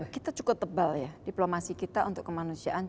kita cukup tebal ya diplomasi kita untuk kemanusiaan